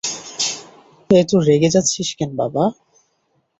এত রেগে যাচ্ছিস কেন, বাবা?